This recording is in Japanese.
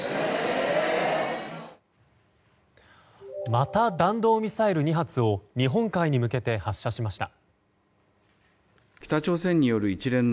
また弾道ミサイル２発を日本海に向けて発射しました。